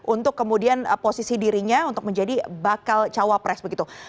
untuk kemudian posisi dirinya untuk menjadi bakal cawapres begitu